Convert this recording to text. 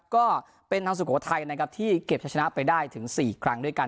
ก็เป็นทางสุโขทัยนะครับที่เก็บชะชนะไปได้ถึง๔ครั้งด้วยกัน